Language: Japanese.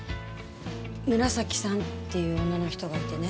紫さんっていう女の人がいてね。